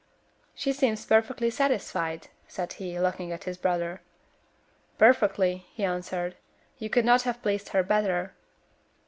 "She seems perfectly satisfied," said he, looking at his brother. "Perfectly," he answered. "You could not have pleased her better."